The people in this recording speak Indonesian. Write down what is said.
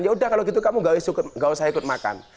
ya udah kalau gitu kamu gak usah ikut makan